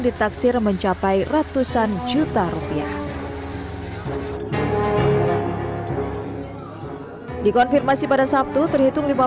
ditaksir mencapai ratusan juta rupiah dikonfirmasi pada sabtu terhitung lima puluh dua kepala